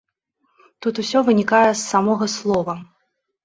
Тут усё вынікае з самога слова.